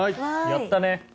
やったね！